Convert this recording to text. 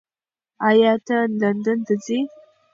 ایا ته لندن ته ځې؟